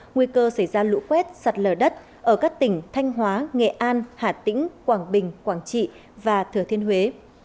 nguy cơ xảy ra lũ quét sạt lở đất ở các tỉnh thanh hóa nghệ an hà tĩnh quảng bình quảng trị và thừa thiên huế